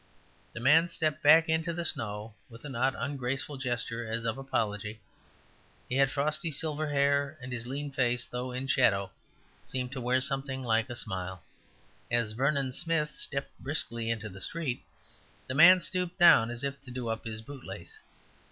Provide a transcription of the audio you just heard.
The man stepped back into the snow with a not ungraceful gesture as of apology; he had frosty silver hair, and his lean face, though in shadow, seemed to wear something like a smile. As Vernon Smith stepped briskly into the street, the man stooped down as if to do up his bootlace.